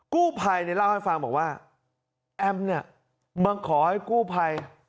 กู้ภัยเนี่ยเล่าให้ฟังบอกว่าแอมเนี่ยมาขอให้กู้ภัย